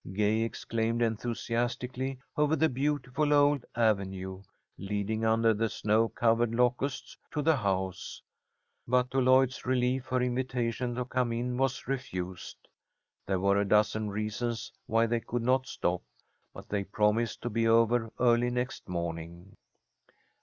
Gay exclaimed enthusiastically over the beautiful old avenue, leading under the snow covered locusts to the house, but to Lloyd's relief her invitation to come in was refused. There were a dozen reasons why they could not stop, but they promised to be over early next morning.